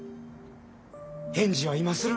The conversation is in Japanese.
返事は今する。